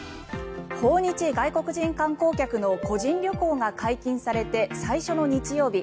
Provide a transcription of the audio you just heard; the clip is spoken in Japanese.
訪日外国人観光客の個人旅行が解禁されて最初の日曜日。